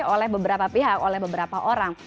oleh beberapa pihak oleh beberapa orang